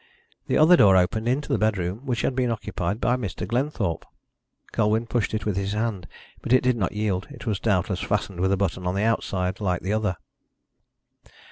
The other door opened into the bedroom which had been occupied by Mr. Glenthorpe. Colwyn pushed it with his hand, but it did not yield. It was doubtless fastened with a button on the outside, like the other.